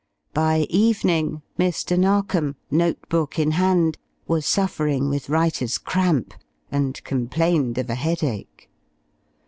By evening Mr. Narkom, note book in hand, was suffering with writer's cramp, and complained of a headache.